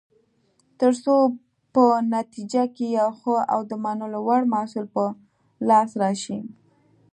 ترڅو په نتیجه کې یو ښه او د منلو وړ محصول په لاس راشي.